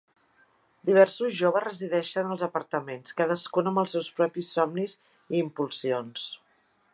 Diversos joves resideixen als apartaments, cadascun amb els seus propis somnis i impulsions.